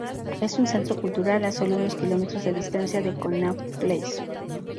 Es un centro cultural, a sólo unos kilómetros de distancia de Connaught Place.